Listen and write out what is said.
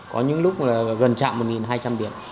có những lúc gần trạm một hai trăm linh điểm